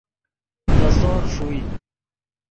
دے سور ݰوئے